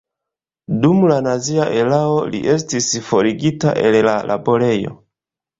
Dum la nazia erao li estis forigita el la laborejo.